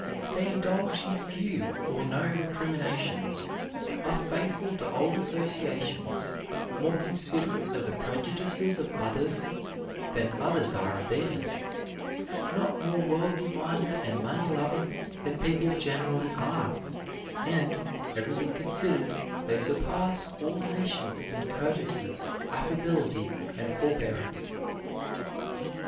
They indulge in few or no recriminations; are faithful to old associations; more considerate of the prejudices of others than others are of theirs; not more worldly minded and money loving than people generally are; and, everything considered, they surpass all nations in courtesy, affability, and forbearance.